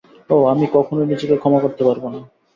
ওহ, আমি কখনই নিজেকে ক্ষমা করতে পারবোনা।